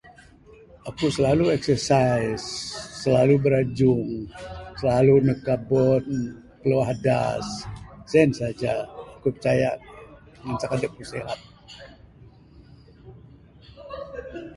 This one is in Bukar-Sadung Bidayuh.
Aku silalu exercise... silalu birajung... silalu neg kabon piluah adas...sien saja aku picayak ngancak adep aku sihat.